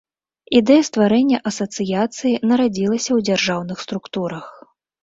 Ідэя стварэння асацыяцыі нарадзілася ў дзяржаўных структурах.